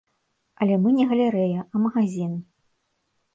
Але мы не галерэя, а магазін.